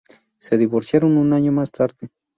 Se divorciaron un año más tarde.